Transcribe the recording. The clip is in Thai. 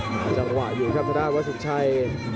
จังหวะอยู่ครับทางด้านวัดสินชัย